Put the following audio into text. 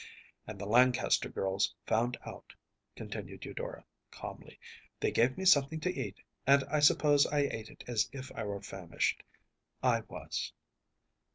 ‚ÄĚ “And the Lancaster girls found out,‚ÄĚ continued Eudora, calmly. “They gave me something to eat, and I suppose I ate as if I were famished. I was.